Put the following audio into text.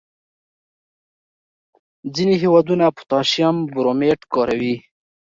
ځینې هېوادونه پوټاشیم برومیټ کاروي.